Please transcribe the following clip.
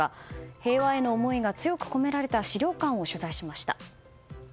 平和への思いが強く込められた資料館を取材しました。